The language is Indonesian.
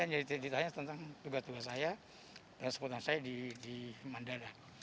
jadi ditanya tentang tugas tugas saya dan sebutan saya di mandala